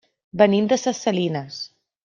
Venim de ses Salines.